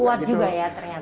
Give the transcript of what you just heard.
kuat juga ya ternyata ya pak